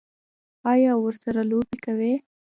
ایا ورسره لوبې کوئ؟